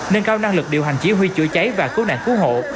nâng cao năng lực điều hành chỉ huy chữa cháy và cứu nạn cứu hộ